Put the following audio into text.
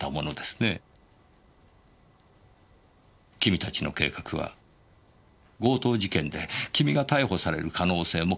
君たちの計画は強盗事件で君が逮捕される可能性も考えていた。